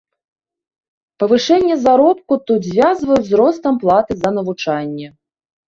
Павышэнне заробку тут звязваюць з ростам платы за навучанне.